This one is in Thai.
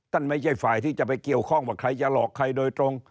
ไม่ใช่ฝ่ายที่จะไปเกี่ยวข้องว่าใครจะหลอกใครโดยตรง